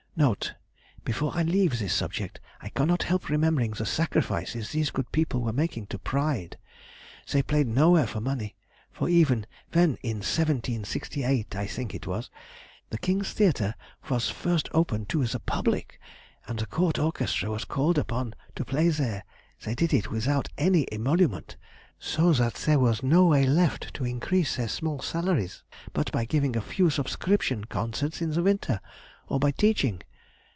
[Note.—Before I leave this subject I cannot help remembering the sacrifices these good people were making to pride. They played nowhere for money, for even when in 1768 (I think it was) the King's theatre was first opened to the Public, and the Court orchestra was called upon to play there, they did it without any emolument, so that there was no way left to increase their small salaries but by giving a few subscription concerts in the winter, or by teaching.